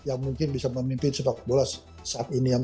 yang mungkin bisa memimpin sepak bola saat ini